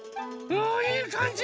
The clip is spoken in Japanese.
あいいかんじね！